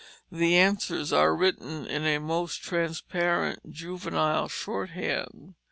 The answers are written in a most transparent juvenile shorthand.